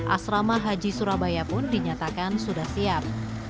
asrama haji surabaya pun dinyatakan sudah siap